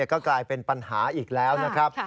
ก็กลายเป็นปัญหาอีกแล้วนะครับ